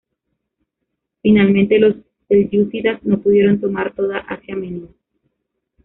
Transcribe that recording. Finalmente, los selyúcidas no pudieron tomar toda Asia Menor.